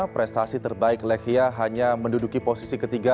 prestasi terbaik lechia hanya menduduki posisi ketiga